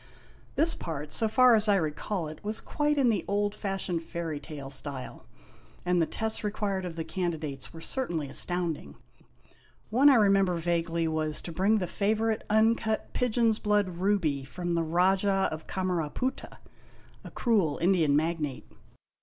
This part, so far as I recall it, was quite in the old fashioned fairy tale style ; and the tests required of the candidates were certainly astounding. One I remember vaguely was to bring the favorite uncut pigeon's bloocl ruby from the Rajah of Camaraputta, a cruel Indian magnate.